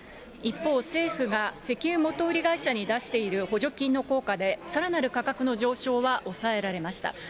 一方、政府が石油元売り会社に出している補助金の効果で、さらなる価格の上昇は抑えられました。